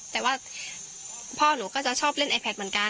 แต่ว่าพ่อหนูก็จะชอบเล่นไอแพทเหมือนกัน